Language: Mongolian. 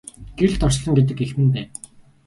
Гэрэлт орчлон гэдэг эх минь байв.